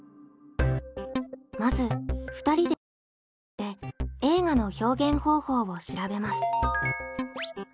まず２人で手分けをして「映画の表現方法」を調べます。